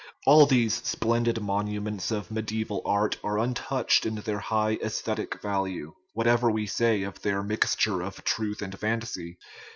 All these splendid monuments of mediaeval art are untouched in their high aesthetic value, whatever we say of their mixture of truth and fancy.